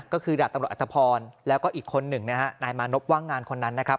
ก็คือดาบตำรวจอัตภพรแล้วก็อีกคนหนึ่งนะฮะนายมานพว่างงานคนนั้นนะครับ